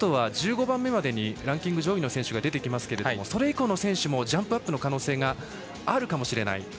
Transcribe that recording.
１５番目までにランキング上位の選手が出てきますが、それ以降の選手もジャンプアップの可能性があるかもしれない？